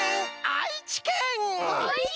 愛知県！？